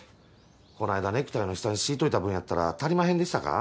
この間ネクタイの下に敷いといた分やったら足りまへんでしたか？